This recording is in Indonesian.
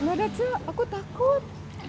nggak ada cak aku takut